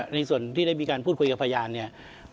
ในส่วนที่ได้มีการพูดคุยกับพยานเนี่ย